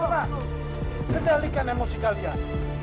berhenti menghalangi emosi kalian